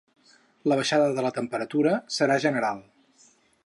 La baixada de la temperatura serà general.